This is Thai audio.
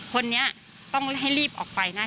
คนนี้ต้องให้รีบออกไปนะ